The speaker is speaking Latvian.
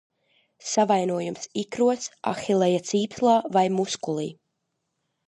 Savainojums ikros, ahilleja cīpslā vai muskulī.